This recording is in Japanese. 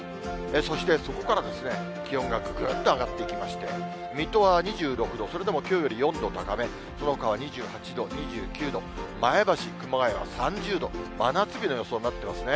そして、そこからですね、気温がぐぐっと上がっていきまして、水戸は２６度、それでもきょうより４度高め、そのほかは２８度、２９度、前橋、熊谷は３０度、真夏日の予想になってますね。